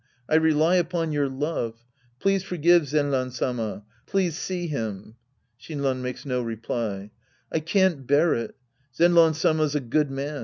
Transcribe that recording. I rely upon your love. Please forgive 2^nran Sama. Please see him. (Shinran makes no reply.) I can't bear it. Zenran Sama's a good man.